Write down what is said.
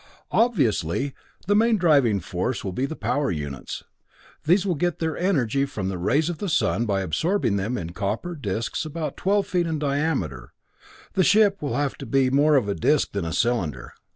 "Obviously, the main driving force will be the power units. These will get their energy from the rays of the sun by absorbing them in copper discs about twelve feet in diameter the ship will have to be more of a disc than a cylinder.